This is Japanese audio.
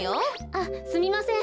あっすみません。